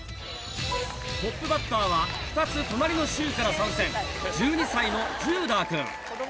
トップバッターは２つ隣の州から参戦１２歳のジューダーくん。